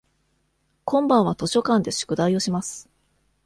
今晩は図書館で宿題をします。